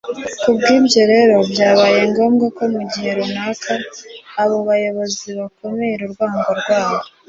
Ku bw’ibyo rero, byabaye ngombwa ko mu gihe runaka abo bayobozi bakumira urwango rwabo